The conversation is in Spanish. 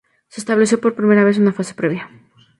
Se estableció por primera vez una fase previa.